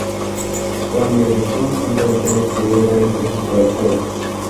Conyers estuvo a punto de ser destruido varias veces por el fuego.